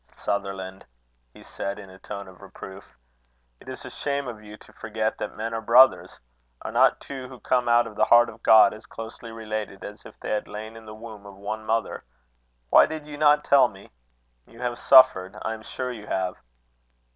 "Sutherland," he said, in a tone of reproof, "it is a shame of you to forget that men are brothers. Are not two who come out of the heart of God, as closely related as if they had lain in the womb of one mother? Why did you not tell me? You have suffered I am sure you have."